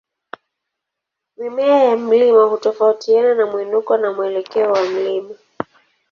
Mimea ya mlima hutofautiana na mwinuko na mwelekeo wa mlima.